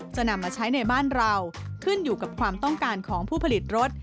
จะนำมาใช้ในบ้านเราขึ้นอยู่กับความต้องการของผู้ผลิตรถ